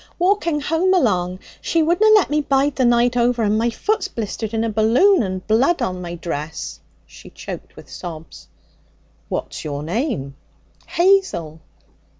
'Walking home along. She wouldna let me bide the night over. And my foot's blistered in a balloon and blood on my dress.' She choked with sobs. 'What's your name?' 'Hazel.'